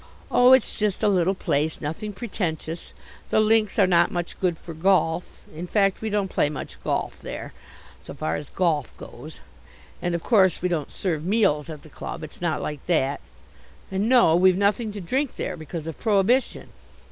Oh, it's just a little place, nothing pretentious: the links are not much good for golf; in fact we don't play much golf there, so far as golf goes, and of course, we don't serve meals at the club, it's not like that and no, we've nothing to drink there because of prohibition.